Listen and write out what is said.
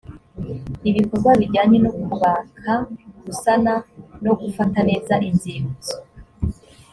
ibikorwa bijyanye no kubaka gusana no gufata neza inzibutso